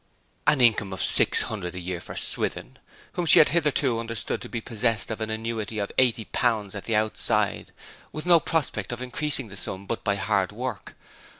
An income of six hundred a year for Swithin, whom she had hitherto understood to be possessed of an annuity of eighty pounds at the outside, with no prospect of increasing the sum but by hard work!